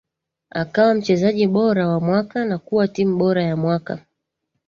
akawa mchezaji bora wa mwaka na kuwa timu bora ya mwaka